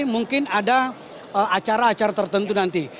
mungkin ada acara acara tertentu nanti